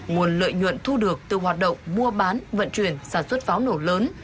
nguồn lợi nhuận thu được từ hoạt động mua bán vận chuyển sản xuất pháo nổ lớn